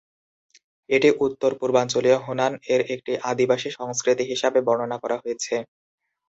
এটি উত্তর-পূর্বাঞ্চলীয় হুনান এর একটি "আদিবাসী সংস্কৃতি" হিসাবে বর্ণনা করা হয়েছে।